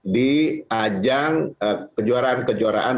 di ajang kejuaraan kejuaraan